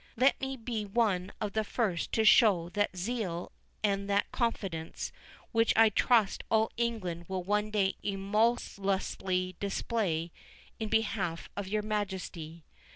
Let me be one of the first to show that zeal and that confidence, which I trust all England will one day emulously display in behalf of your Majesty."